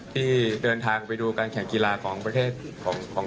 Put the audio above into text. ที่เดินทางไปดูการแข่งกีฬาของประเทศของ